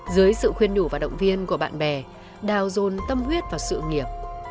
dưới sự khuyên đủ và động viên của bạn bè đào dồn tâm huyết vào sự nghiệp